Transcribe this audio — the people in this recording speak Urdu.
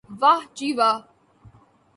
واہ جی واہ